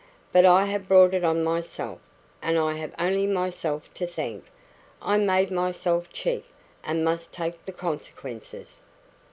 "But I have brought it on myself I have only myself to thank. I made myself cheap, and must take the consequences."